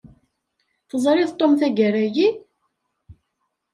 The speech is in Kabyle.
Teẓriḍ Tom tagara-yi?